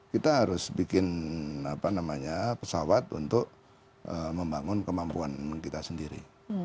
kita harus bikin pesawat untuk membangun kemampuan kita sendiri